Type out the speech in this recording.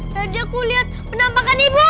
tadi aku lihat penampakan ibu